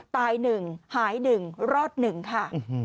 ตายหนึ่งหายหนึ่งรอดหนึ่งค่ะ